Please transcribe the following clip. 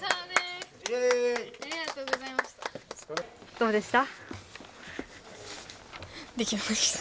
どうでした？